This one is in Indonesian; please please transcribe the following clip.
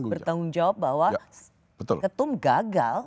bertanggung jawab bahwa ketum gagal